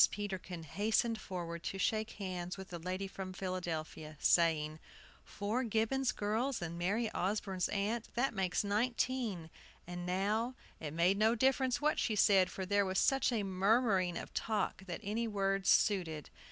Peterkin hastened forward to shake hands with the lady from Philadelphia, saying: "Four Gibbons girls and Mary Osborne's aunt, that makes nineteen; and now" It made no difference what she said; for there was such a murmuring of talk that any words suited.